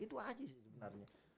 itu ajis sebenarnya